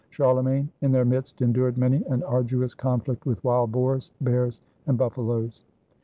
Charle magne in their midst endured many an arduous conflict with wild boars, bears, and buffaloes.